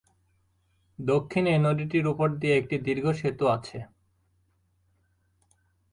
দক্ষিণে নদীটির উপর দিয়ে একটি দীর্ঘ সেতু আছে।